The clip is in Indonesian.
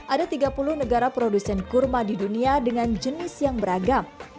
ada tiga puluh negara produsen kurma di dunia dengan jenis yang beragam